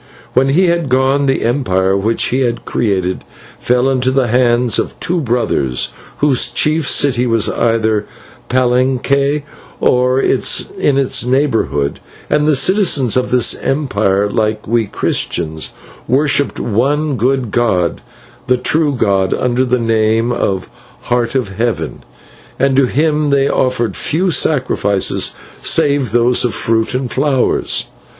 "When he had gone, the empire which he created fell into the hands of two brothers, whose chief city was either at Palenque or in its neighbourhood, and the citizens of this empire, like we Christians, worshipped one good god, the true God, under the name of the Heart of Heaven, and to Him they offered few sacrifices save those of fruit and flowers.